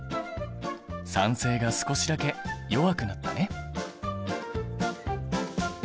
酸性が少しだけ弱くなったね。